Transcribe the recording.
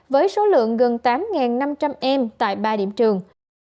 với số lượng gần tám năm trăm linh em tại ba điểm trường